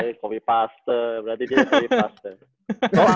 kopi paste berarti dia kopi paste